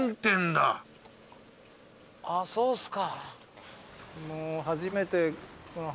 あそうっすか。